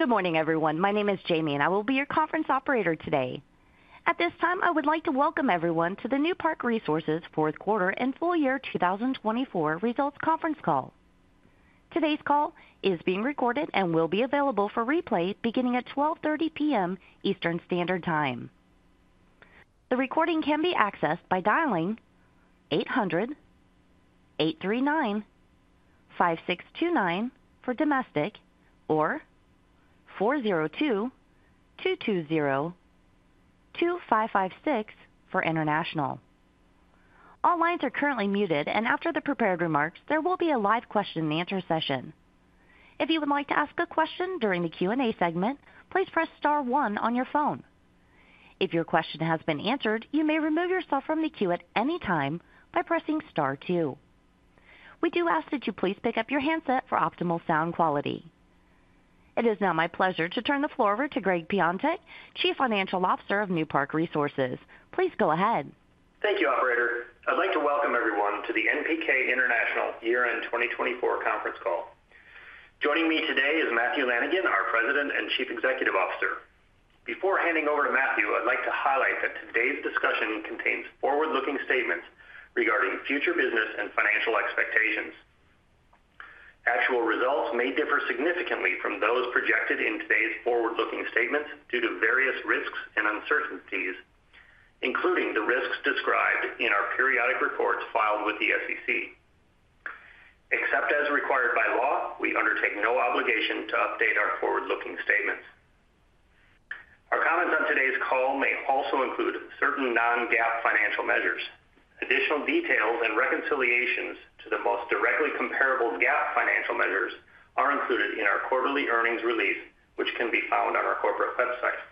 Good morning, everyone. My name is Jamie, and I will be your conference operator today. At this time, I would like to welcome everyone to the Newpark Resources Fourth Quarter and Full Year 2024 Results Conference Call. Today's call is being recorded and will be available for replay beginning at 12:30 P.M. Eastern Standard Time. The recording can be accessed by dialing 800-839-5629 for domestic or 402-220-2556 for international. All lines are currently muted, and after the prepared remarks, there will be a live question-and-answer session. If you would like to ask a question during the Q&A segment, please press star one on your phone. If your question has been answered, you may remove yourself from the queue at any time by pressing star two. We do ask that you please pick up your handset for optimal sound quality. It is now my pleasure to turn the floor over to Gregg Piontek, Chief Financial Officer of Newpark Resources. Please go ahead. Thank you, Operator. I'd like to welcome everyone to the NPK International Year End 2024 Conference Call. Joining me today is Matthew Lanigan, our President and Chief Executive Officer. Before handing over to Matthew, I'd like to highlight that today's discussion contains forward-looking statements regarding future business and financial expectations. Actual results may differ significantly from those projected in today's forward-looking statements due to various risks and uncertainties, including the risks described in our periodic reports filed with the SEC. Except as required by law, we undertake no obligation to update our forward-looking statements. Our comments on today's call may also include certain non-GAAP financial measures. Additional details and reconciliations to the most directly comparable GAAP financial measures are included in our quarterly earnings release, which can be found on our corporate website.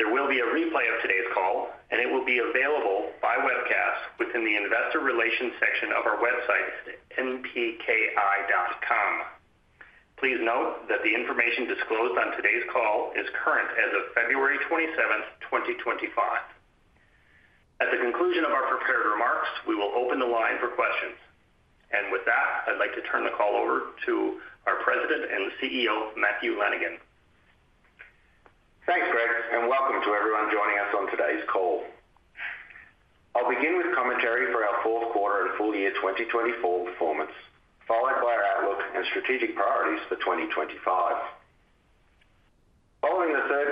There will be a replay of today's call, and it will be available by webcast within the Investor Relations section of our website at npki.com. Please note that the information disclosed on today's call is current as of February 27, 2025. At the conclusion of our prepared remarks, we will open the line for questions, and with that, I'd like to turn the call over to our President and CEO, Matthew Lanigan. Thanks, Gregg, and welcome to everyone joining us on today's call. I'll begin with commentary for our fourth quarter and full year 2024 performance, followed by our outlook and strategic priorities for 2025. Following the third quarter,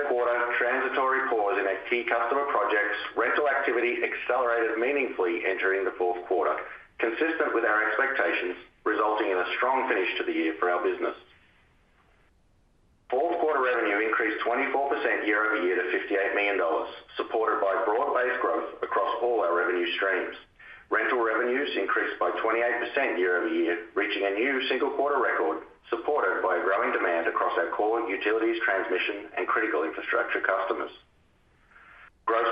transitory pause in key customer projects, rental activity accelerated meaningfully entering the fourth quarter, consistent with our expectations, resulting in a strong finish to the year for our business. Fourth quarter revenue increased 24% year over year to $58 million, supported by broad-based growth across all our revenue streams. Rental revenues increased by 28% year over year, reaching a new single-quarter record, supported by growing demand across our core utilities, transmission, and critical infrastructure customers.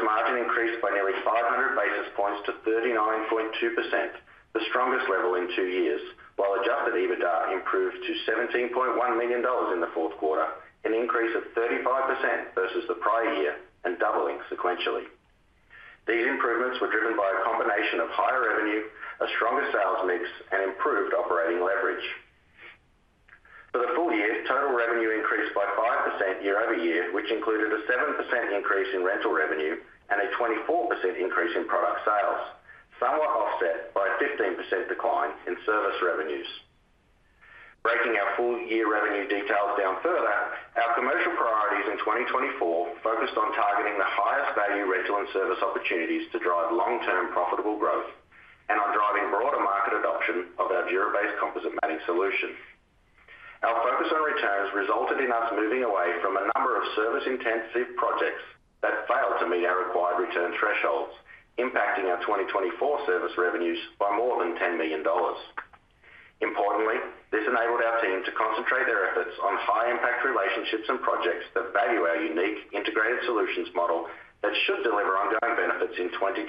Gross margin increased by nearly 500 basis points to 39.2%, the strongest level in two years, while Adjusted EBITDA improved to $17.1 million in the fourth quarter, an increase of 35% versus the prior year and doubling sequentially. These improvements were driven by a combination of higher revenue, a stronger sales mix, and improved operating leverage. For the full year, total revenue increased by 5% year over year, which included a 7% increase in rental revenue and a 24% increase in product sales, somewhat offset by a 15% decline in service revenues. Breaking our full year revenue details down further, our commercial priorities in 2024 focused on targeting the highest value rental and service opportunities to drive long-term profitable growth and on driving broader market adoption of our DURA-BASE composite matting solution. Our focus on returns resulted in us moving away from a number of service-intensive projects that failed to meet our required return thresholds, impacting our 2024 service revenues by more than $10 million. Importantly, this enabled our team to concentrate their efforts on high-impact relationships and projects that value our unique integrated solutions model that should deliver ongoing benefits in 2025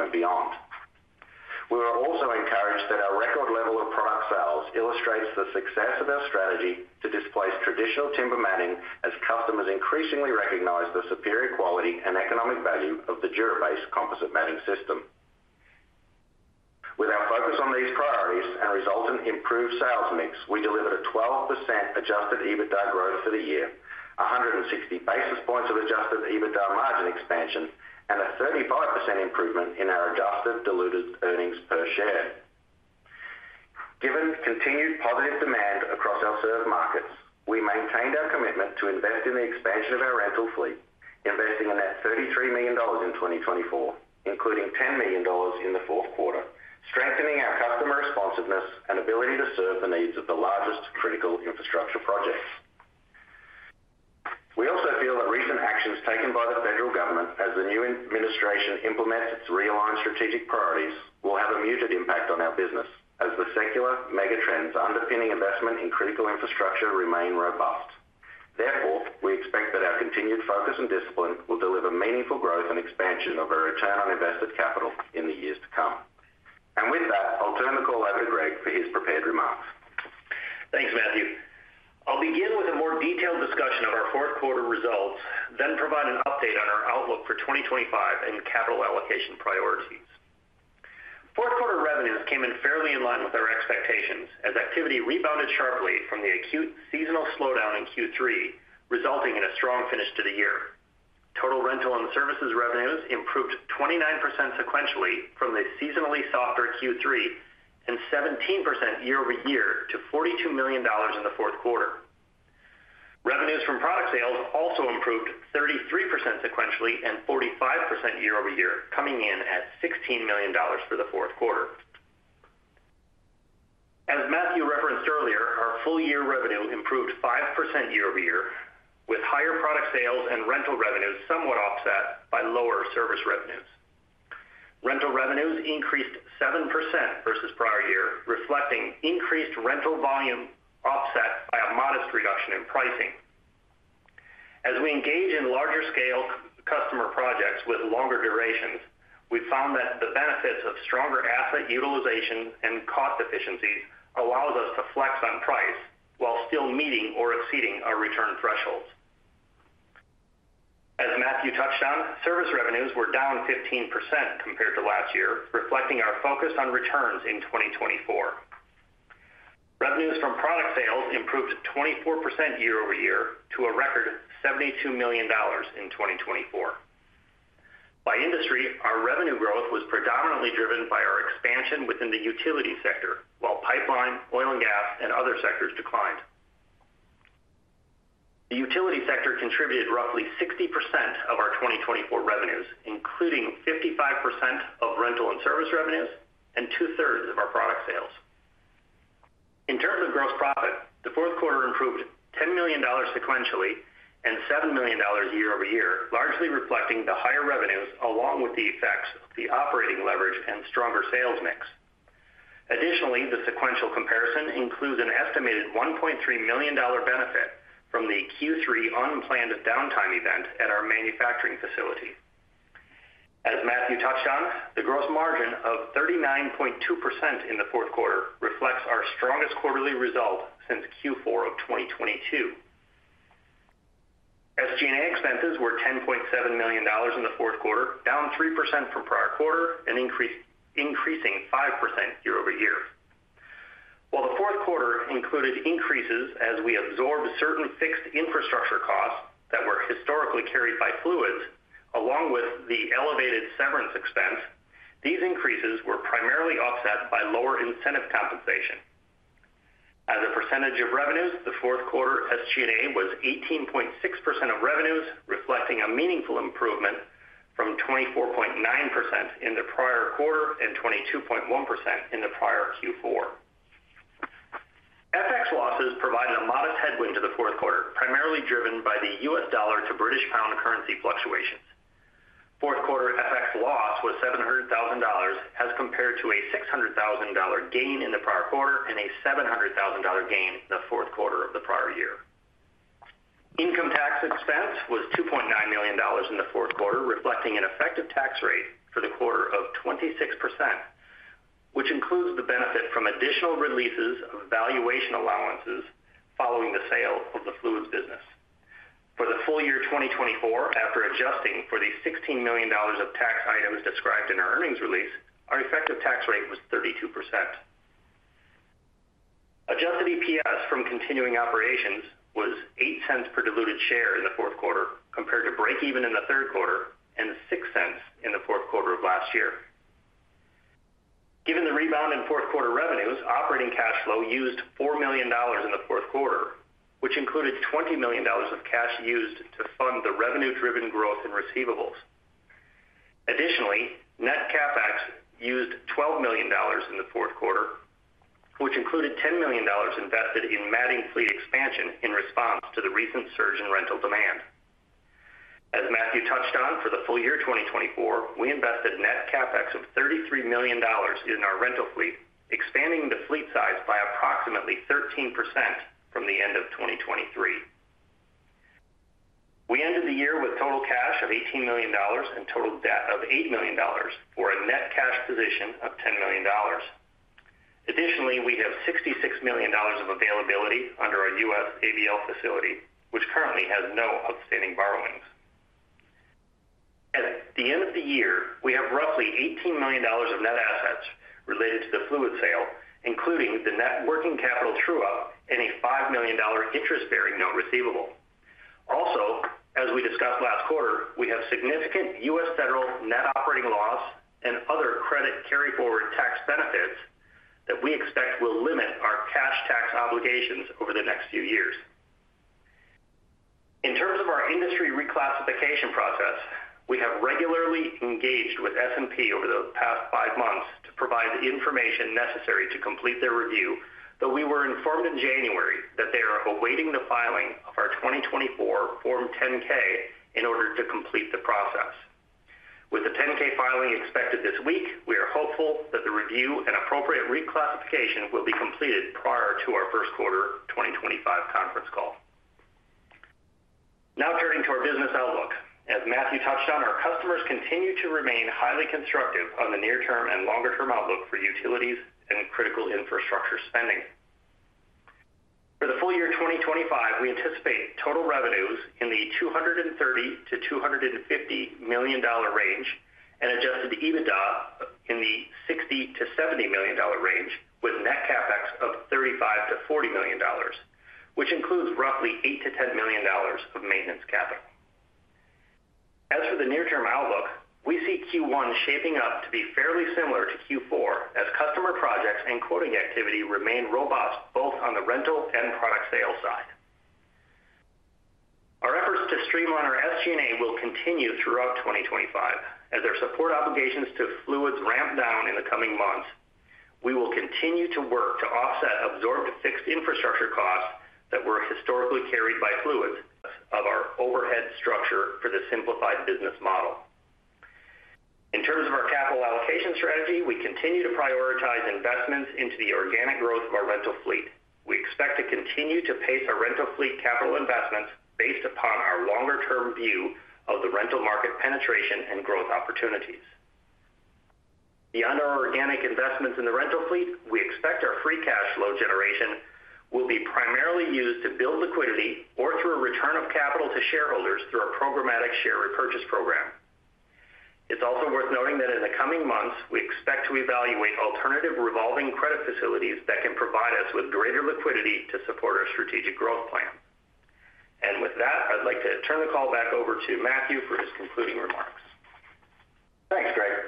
and beyond. We were also encouraged that our record level of product sales illustrates the success of our strategy to displace traditional timber matting as customers increasingly recognize the superior quality and economic value of the DURA-BASE composite matting system. With our focus on these priorities and resultant improved sales mix, we delivered a 12% adjusted EBITDA growth for the year, 160 basis points of adjusted EBITDA margin expansion, and a 35% improvement in our adjusted diluted earnings per share. Given continued positive demand across our served markets, we maintained our commitment to invest in the expansion of our rental fleet, investing a net that $33 million in 2024, including $10 million in the fourth quarter, strengthening our customer responsiveness and ability to serve the needs of the largest critical infrastructure projects. We also feel that recent actions taken by the federal government as the new administration implements its realigned strategic priorities will have a muted impact on our business, as the secular megatrends underpinning investment in critical infrastructure remain robust. Therefore, we expect that our continued focus and discipline will deliver meaningful growth and expansion of our return on invested capital in the years to come. And with that, I'll turn the call over to Gregg for his prepared remarks. Thanks, Matthew. I'll begin with a more detailed discussion of our fourth quarter results, then provide an update on our outlook for 2025 and capital allocation priorities. Fourth quarter revenues came in fairly in line with our expectations as activity rebounded sharply from the acute seasonal slowdown in Q3, resulting in a strong finish to the year. Total rental and services revenues improved 29% sequentially from the seasonally softer Q3 and 17% year over year to $42 million in the fourth quarter. Revenues from product sales also improved 33% sequentially and 45% year over year, coming in at $16 million for the fourth quarter. As Matthew referenced earlier, our full year revenue improved 5% year over year, with higher product sales and rental revenues somewhat offset by lower service revenues. Rental revenues increased 7% versus prior year, reflecting increased rental volume offset by a modest reduction in pricing. As we engage in larger-scale customer projects with longer durations, we found that the benefits of stronger asset utilization and cost efficiencies allow us to flex on price while still meeting or exceeding our return thresholds. As Matthew touched on, service revenues were down 15% compared to last year, reflecting our focus on returns in 2024. Revenues from product sales improved 24% year over year to a record $72 million in 2024. By industry, our revenue growth was predominantly driven by our expansion within the utility sector, while pipeline, oil and gas, and other sectors declined. The utility sector contributed roughly 60% of our 2024 revenues, including 55% of rental and service revenues and two-thirds of our product sales. In terms of gross profit, the fourth quarter improved $10 million sequentially and $7 million year over year, largely reflecting the higher revenues along with the effects of the operating leverage and stronger sales mix. Additionally, the sequential comparison includes an estimated $1.3 million benefit from the Q3 unplanned downtime event at our manufacturing facility. As Matthew touched on, the gross margin of 39.2% in the fourth quarter reflects our strongest quarterly result since Q4 of 2022. As SG&A expenses were $10.7 million in the fourth quarter, down 3% from prior quarter and increasing 5% year over year. While the fourth quarter included increases as we absorbed certain fixed infrastructure costs that were historically carried by Fluids, along with the elevated severance expense, these increases were primarily offset by lower incentive compensation. As a percentage of revenues, the fourth quarter SG&A was 18.6% of revenues, reflecting a meaningful improvement from 24.9% in the prior quarter and 22.1% in the prior Q4. FX losses provided a modest headwind to the fourth quarter, primarily driven by the US dollar to British pound currency fluctuations. Fourth quarter FX loss was $700,000 as compared to a $600,000 gain in the prior quarter and a $700,000 gain in the fourth quarter of the prior year. Income tax expense was $2.9 million in the fourth quarter, reflecting an effective tax rate for the quarter of 26%, which includes the benefit from additional releases of valuation allowances following the sale of the fluids business. For the full year 2024, after adjusting for the $16 million of tax items described in our earnings release, our effective tax rate was 32%. Adjusted EPS from continuing operations was $0.08 per diluted share in the fourth quarter compared to break-even in the third quarter and $0.06 in the fourth quarter of last year. Given the rebound in fourth quarter revenues, operating cash flow used $4 million in the fourth quarter, which included $20 million of cash used to fund the revenue-driven growth in receivables. Additionally, net CapEx used $12 million in the fourth quarter, which included $10 million invested in matting fleet expansion in response to the recent surge in rental demand. As Matthew touched on, for the full year 2024, we invested net CapEx of $33 million in our rental fleet, expanding the fleet size by approximately 13% from the end of 2023. We ended the year with total cash of $18 million and total debt of $8 million for a net cash position of $10 million. Additionally, we have $66 million of availability under our U.S. ABL facility, which currently has no outstanding borrowings. At the end of the year, we have roughly $18 million of net assets related to the Fluids sale, including the net working capital true-up and a $5 million interest-bearing known receivable. Also, as we discussed last quarter, we have significant U.S. federal net operating loss and other credit carry-forward tax benefits that we expect will limit our cash tax obligations over the next few years. In terms of our industry reclassification process, we have regularly engaged with S&P over the past five months to provide the information necessary to complete their review, though we were informed in January that they are awaiting the filing of our 2024 Form 10-K in order to complete the process. With the 10-K filing expected this week, we are hopeful that the review and appropriate reclassification will be completed prior to our first quarter 2025 conference call. Now turning to our business outlook, as Matthew touched on, our customers continue to remain highly constructive on the near-term and longer-term outlook for utilities and critical infrastructure spending. For the full year 2025, we anticipate total revenues in the $230-$250 million range and Adjusted EBITDA in the $60-$70 million range, with net CapEx of $35-$40 million, which includes roughly $8-$10 million of maintenance capital. As for the near-term outlook, we see Q1 shaping up to be fairly similar to Q4 as customer projects and quoting activity remain robust both on the rental and product sales side. Our efforts to streamline our SG&A will continue throughout 2025. As our support obligations to fluids ramp down in the coming months, we will continue to work to offset absorbed fixed infrastructure costs that were historically carried by fluids of our overhead structure for the simplified business model. In terms of our capital allocation strategy, we continue to prioritize investments into the organic growth of our rental fleet. We expect to continue to pace our rental fleet capital investments based upon our longer-term view of the rental market penetration and growth opportunities. Beyond our organic investments in the rental fleet, we expect our free cash flow generation will be primarily used to build liquidity or through a return of capital to shareholders through a programmatic share repurchase program. It's also worth noting that in the coming months, we expect to evaluate alternative revolving credit facilities that can provide us with greater liquidity to support our strategic growth plan. And with that, I'd like to turn the call back over to Matthew for his concluding remarks. Thanks, Gregg.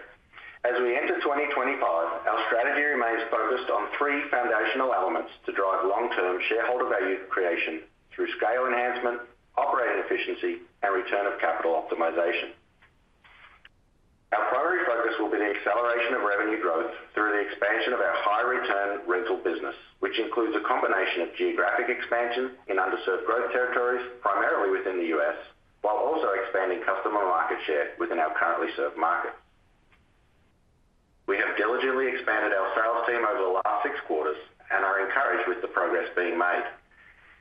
As we enter 2025, our strategy remains focused on three foundational elements to drive long-term shareholder value creation through scale enhancement, operating efficiency, and return of capital optimization. Our primary focus will be the acceleration of revenue growth through the expansion of our high-return rental business, which includes a combination of geographic expansion in underserved growth territories, primarily within the U.S., while also expanding customer market share within our currently served market. We have diligently expanded our sales team over the last six quarters and are encouraged with the progress being made.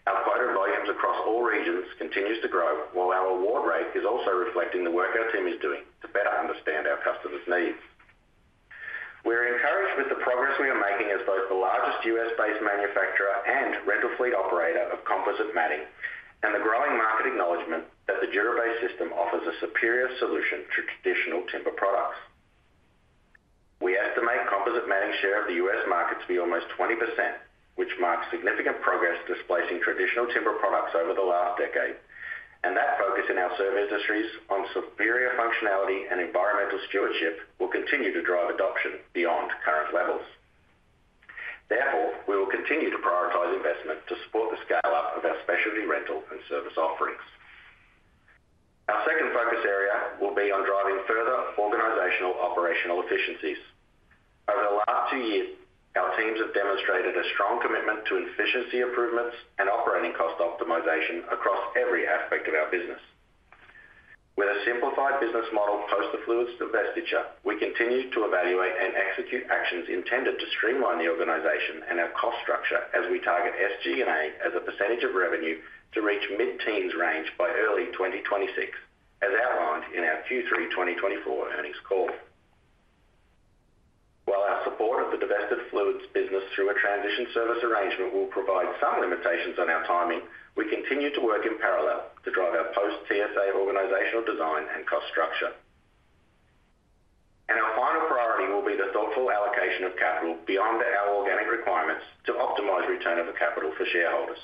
Our quote volumes across all regions continue to grow, while our award rate is also reflecting the work our team is doing to better understand our customers' needs. We're encouraged with the progress we are making as both the largest US-based manufacturer and rental fleet operator of composite matting and the growing market acknowledgment that the DURA-BASE system offers a superior solution to traditional timber products. We estimate composite matting share of the US markets to be almost 20%, which marks significant progress displacing traditional timber products over the last decade, and that focus in our service industries on superior functionality and environmental stewardship will continue to drive adoption beyond current levels. Therefore, we will continue to prioritize investment to support the scale-up of our specialty rental and service offerings. Our second focus area will be on driving further organizational operational efficiencies. Over the last two years, our teams have demonstrated a strong commitment to efficiency improvements and operating cost optimization across every aspect of our business. With a simplified business model post the fluids divestiture, we continue to evaluate and execute actions intended to streamline the organization and our cost structure as we target SG&A as a percentage of revenue to reach mid-teens range by early 2026, as outlined in our Q3 2024 earnings call. While our support of the divested fluids business through a transition service arrangement will provide some limitations on our timing, we continue to work in parallel to drive our post-TSA organizational design and cost structure. Our final priority will be the thoughtful allocation of capital beyond our organic requirements to optimize return on the capital for shareholders.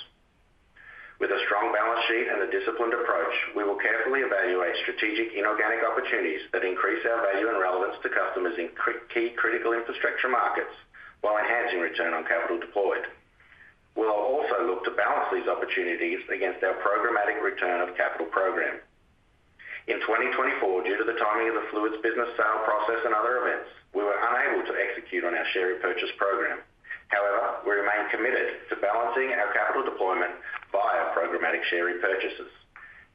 With a strong balance sheet and a disciplined approach, we will carefully evaluate strategic inorganic opportunities that increase our value and relevance to customers in key critical infrastructure markets while enhancing return on capital deployed. We'll also look to balance these opportunities against our programmatic return of capital program. In 2024, due to the timing of the fluids business sale process and other events, we were unable to execute on our share repurchase program. However, we remain committed to balancing our capital deployment via programmatic share repurchases.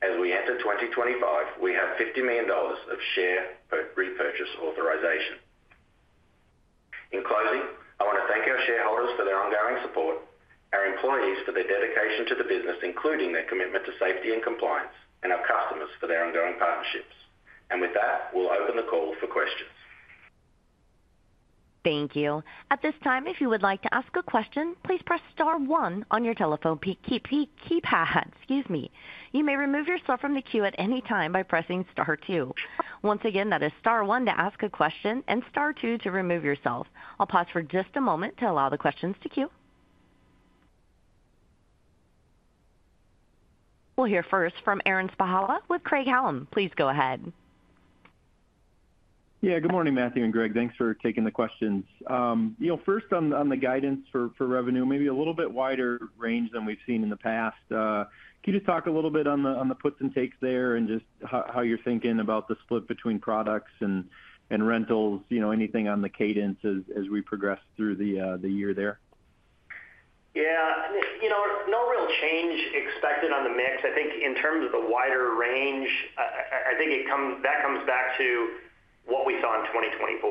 As we enter 2025, we have $50 million of share repurchase authorization. In closing, I want to thank our shareholders for their ongoing support, our employees for their dedication to the business, including their commitment to safety and compliance, and our customers for their ongoing partnerships, and with that, we'll open the call for questions. Thank you. At this time, if you would like to ask a question, please press Star 1 on your telephone keypad. Excuse me. You may remove yourself from the queue at any time by pressing Star 2. Once again, that is Star 1 to ask a question and Star 2 to remove yourself. I'll pause for just a moment to allow the questions to queue. We'll hear first from Aaron Spychala with Craig-Hallum. Please go ahead. Yeah, good morning, Matthew and Gregg. Thanks for taking the questions. First, on the guidance for revenue, maybe a little bit wider range than we've seen in the past, can you just talk a little bit on the puts and takes there and just how you're thinking about the split between products and rentals, anything on the cadence as we progress through the year there? Yeah. No real change expected on the mix. I think in terms of the wider range, I think that comes back to what we saw in 2024.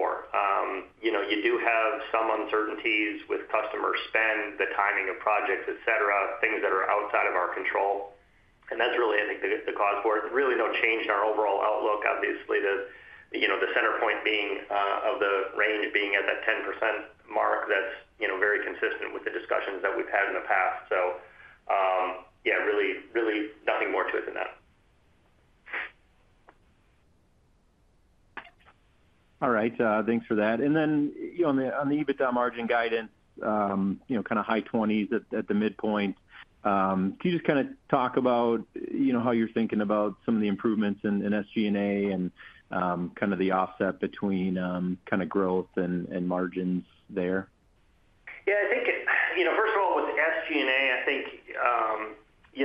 You do have some uncertainties with customer spend, the timing of projects, etc., things that are outside of our control. And that's really, I think, the cause for it. Really no change in our overall outlook, obviously, the center point of the range being at that 10% mark that's very consistent with the discussions that we've had in the past. So, yeah, really nothing more to it than that. All right. Thanks for that. And then on the EBITDA margin guidance, kind of high 20s at the midpoint, can you just kind of talk about how you're thinking about some of the improvements in SG&A and kind of the offset between kind of growth and margins there? Yeah. I think, first of all, with SG&A, I think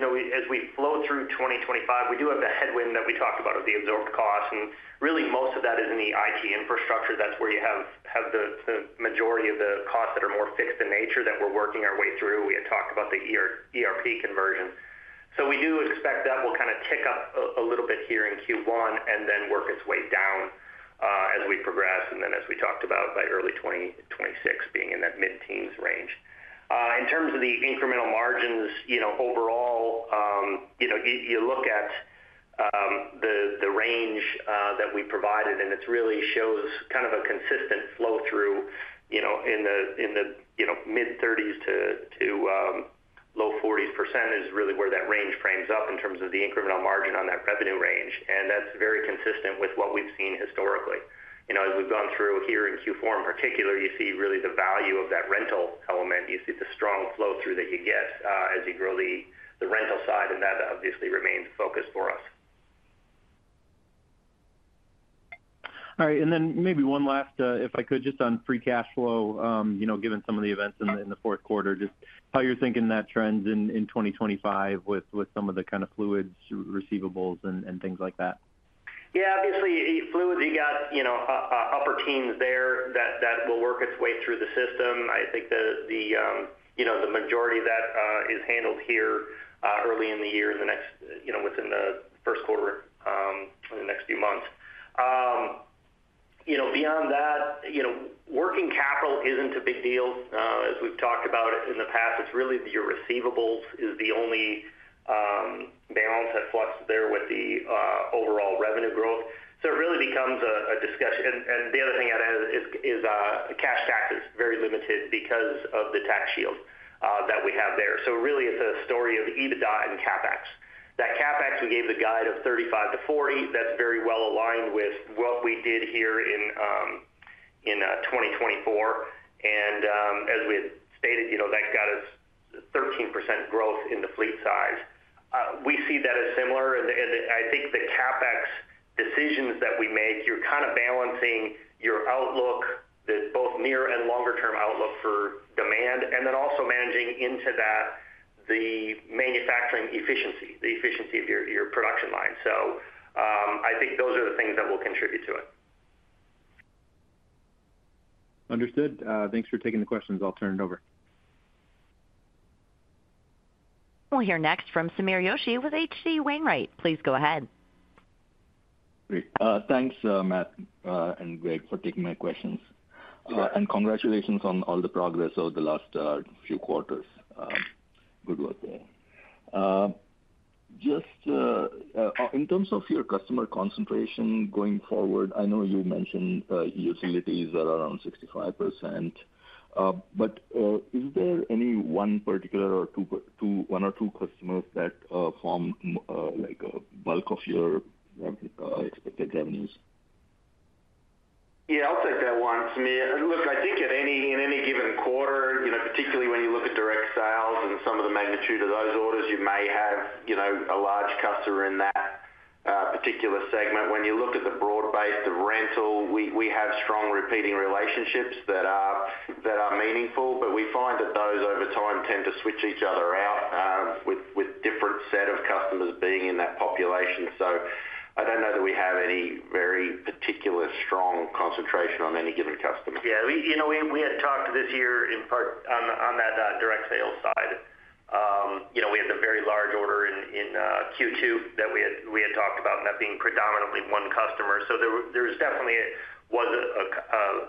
as we flow through 2025, we do have the headwind that we talked about of the absorbed cost, and really most of that is in the IT infrastructure. That's where you have the majority of the costs that are more fixed in nature that we're working our way through. We had talked about the ERP conversion, so we do expect that will kind of tick up a little bit here in Q1 and then work its way down as we progress and then, as we talked about, by early 2026 being in that mid-teens range. In terms of the incremental margins overall, you look at the range that we provided, and it really shows kind of a consistent flow through in the mid-30s to low 40s% is really where that range frames up in terms of the incremental margin on that revenue range. And that's very consistent with what we've seen historically. As we've gone through here in Q4 in particular, you see really the value of that rental element. You see the strong flow through that you get as you grow the rental side, and that obviously remains a focus for us. All right. And then maybe one last, if I could, just on free cash flow, given some of the events in the fourth quarter, just how you're thinking that trends in 2025 with some of the kind of fluids, receivables, and things like that? Yeah. Obviously, fluids, you got upper teens there that will work its way through the system. I think the majority of that is handled here early in the year, within the first quarter, in the next few months. Beyond that, working capital isn't a big deal, as we've talked about in the past. It's really your receivables is the only balance that fluctuates there with the overall revenue growth. So it really becomes a discussion. And the other thing I'd add is cash tax is very limited because of the tax shield that we have there. So really, it's a story of EBITDA and CapEx. That CapEx, we gave the guide of 35-40. That's very well aligned with what we did here in 2024. And as we had stated, that got us 13% growth in the fleet size. We see that as similar. And I think the CapEx decisions that we make, you're kind of balancing your outlook, both near and longer-term outlook for demand, and then also managing into that the manufacturing efficiency, the efficiency of your production line. So I think those are the things that will contribute to it. Understood. Thanks for taking the questions. I'll turn it over. We'll hear next from Sameer Joshi with H.C. Wainwright. Please go ahead. Great. Thanks, Matt and Gregg, for taking my questions. And congratulations on all the progress over the last few quarters. Good work there. Just in terms of your customer concentration going forward, I know you mentioned utilities are around 65%. But is there any one particular or one or two customers that form a bulk of your expected revenues? Yeah, I'll take that one. To me, look, I think in any given quarter, particularly when you look at direct sales and some of the magnitude of those orders, you may have a large customer in that particular segment. When you look at the broad base of rental, we have strong repeating relationships that are meaningful, but we find that those over time tend to switch each other out with a different set of customers being in that population. So I don't know that we have any very particular strong concentration on any given customer. Yeah. We had talked this year in part on that direct sales side. We had the very large order in Q2 that we had talked about, and that being predominantly one customer. So there definitely was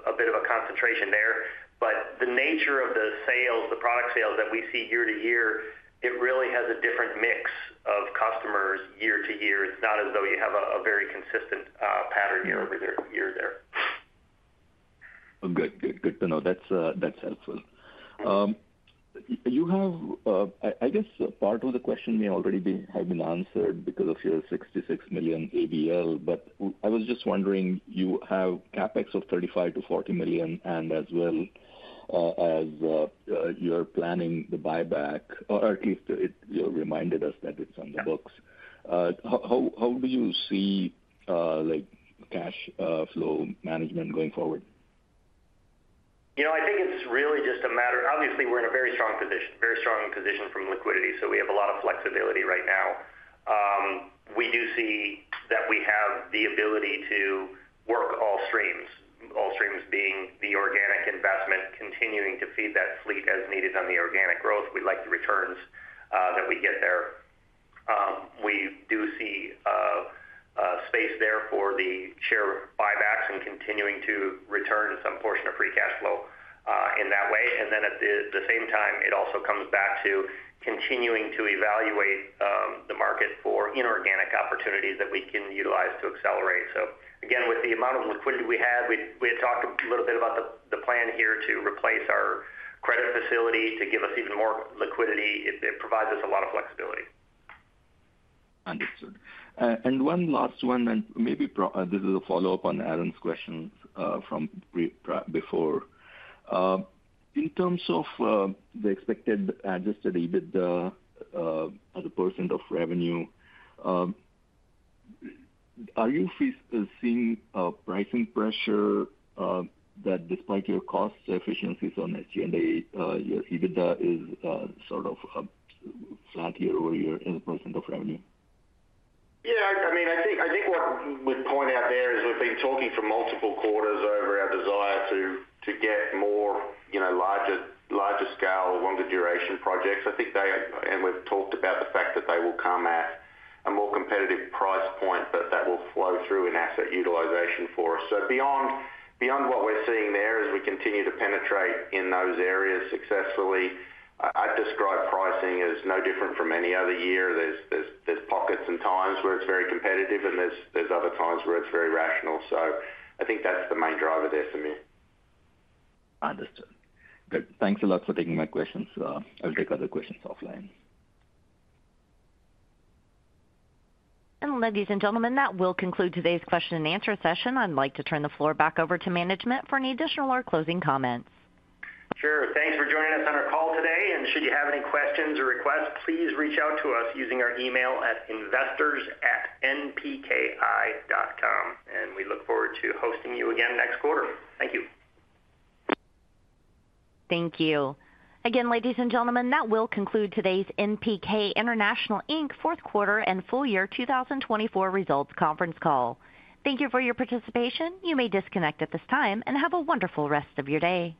a bit of a concentration there. But the nature of the sales, the product sales that we see year to year, it really has a different mix of customers year to year. It's not as though you have a very consistent pattern year over year there. Good to know. That's helpful. I guess part of the question may already have been answered because of your $66 million ABL, but I was just wondering, you have CapEx of $35-$40 million, and as well as you're planning the buyback, or at least you reminded us that it's on the books. How do you see cash flow management going forward? I think it's really just a matter, obviously, we're in a very strong position, very strong position from liquidity, so we have a lot of flexibility right now. We do see that we have the ability to work all streams, all streams being the organic investment, continuing to feed that fleet as needed on the organic growth. We like the returns that we get there. We do see space there for the share buybacks and continuing to return some portion of free cash flow in that way, and then at the same time, it also comes back to continuing to evaluate the market for inorganic opportunities that we can utilize to accelerate, so again, with the amount of liquidity we had, we had talked a little bit about the plan here to replace our credit facility to give us even more liquidity. It provides us a lot of flexibility. Understood. And one last one, and maybe this is a follow-up on Aaron's question from before. In terms of the expected adjusted EBITDA, the % of revenue, are you seeing pricing pressure that despite your cost efficiencies on SG&A, your EBITDA is sort of flat year over year in the % of revenue? Yeah. I mean, I think what we'd point out there is we've been talking for multiple quarters over our desire to get more larger scale, longer duration projects. I think we've talked about the fact that they will come at a more competitive price point, but that will flow through in asset utilization for us. So beyond what we're seeing there as we continue to penetrate in those areas successfully, I'd describe pricing as no different from any other year. There's pockets and times where it's very competitive, and there's other times where it's very rational. So I think that's the main driver there for me. Understood. Thanks a lot for taking my questions. I'll take other questions offline. And ladies and gentlemen, that will conclude today's question and answer session. I'd like to turn the floor back over to management for any additional or closing comments. Sure. Thanks for joining us on our call today. And should you have any questions or requests, please reach out to us using our email at investors@npki.com. And we look forward to hosting you again next quarter. Thank you. Thank you. Again, ladies and gentlemen, that will conclude today's NPK International Inc. Fourth Quarter and Full Year 2024 Results Conference Call. Thank you for your participation. You may disconnect at this time and have a wonderful rest of your day.